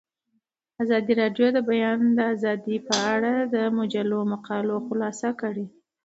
ازادي راډیو د د بیان آزادي په اړه د مجلو مقالو خلاصه کړې.